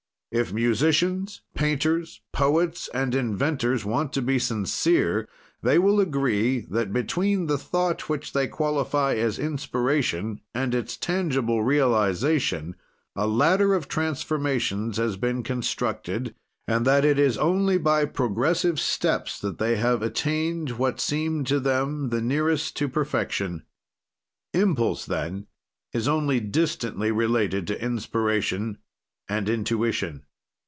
"If musicians, painters, poets, and inventors want to be sincere, they will agree that, between the thought which they qualify as inspiration, and its tangible realization, a ladder of transformations has been constructed, and that it is only by progressive steps that they have attained what seemed to them the nearest to perfection." Impulse, then, is only distantly related to inspiration and intuition.